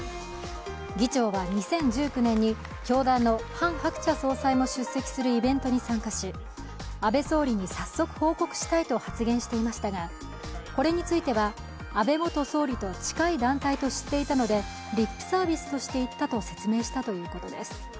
議長は２０１９年に教団のハン・ハクチャ総裁も出席するイベントに参加し安倍総理に早速報告したいと発言していましたが、これについては、安倍元総理と近い団体と知っていたので、リップサービスとして言ったと説明したということです。